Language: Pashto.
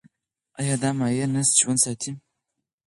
ایا دا مایع نسج ژوندی ساتي؟